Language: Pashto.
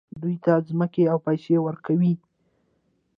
دوی ته ځمکه او پیسې ورکوي.